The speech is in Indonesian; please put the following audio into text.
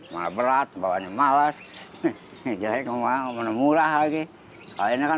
malah berat bahwa malas jahit ngomong ngomong murah lagi lainnya kan